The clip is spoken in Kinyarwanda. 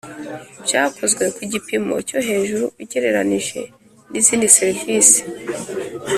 Byakozwe ku gipimo cyo hejuru ugereranije n ‘izindi serivisi.